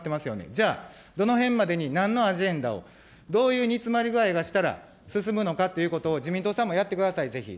じゃあ、どのへんまでに、なんのアジェンダを、どういう煮詰まり具合がしたら進むのかということを、自民党さんもやってください、ぜひ。